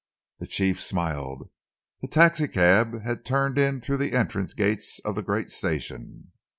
The Chief smiled. The taxicab had turned in through the entrance gates of the great station.